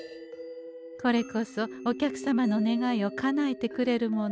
これこそお客様の願いをかなえてくれるもの。